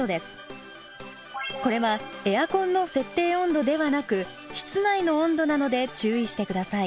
これはエアコンの設定温度ではなく室内の温度なので注意してください。